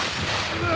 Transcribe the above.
うわ！